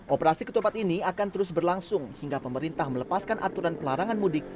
operasi ketupat ini akan terus berlangsung hingga pemerintah melepaskan aturan pelarangan mudik